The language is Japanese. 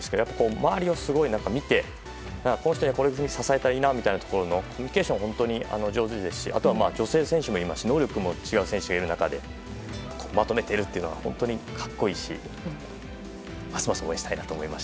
周りをすごい見てこの人はこういうふうに支えたらいいなというコミュニケーションが本当に上手ですし女性選手もいますし能力も違う選手もいる中でまとめているというのは本当に格好いいしますます応援したいなと思います。